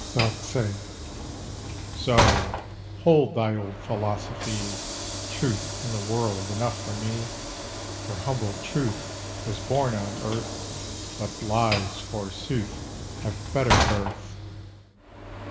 DARZÉ: 'So! hold thy old philosophy! Truth and the World enough for me. For humble Truth was born on Earth, But Lies, forsooth, have better birth!